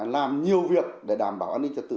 làm nhiều việc để đảm bảo an ninh trật tự